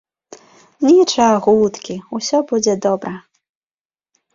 Нічагуткі, усё будзе добра.